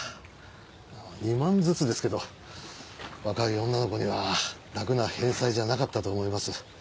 ２万ずつですけど若い女の子には楽な返済じゃなかったと思います。